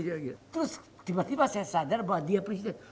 terus tiba tiba saya sadar bahwa dia presiden